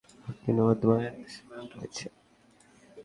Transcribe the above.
তলাবিহীন ঝুড়ি থেকে বাংলাদেশ এখন নিম্ন মধ্যম আয়ের দেশে পরিণত হয়েছে।